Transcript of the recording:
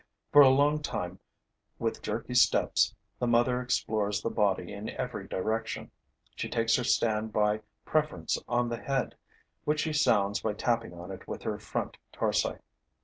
For a long time, with jerky steps, the mother explores the body in every direction; she takes her stand by preference on the head, which she sounds by tapping on it with her front tarsi.